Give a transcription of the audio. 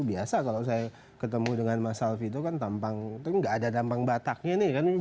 biasa kalau saya ketemu dengan mas alvi itu kan tampang itu nggak ada tampang bataknya nih kan